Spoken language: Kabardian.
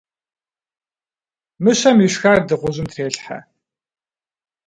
Мыщэм ишхар дыгъужьым трелхьэ.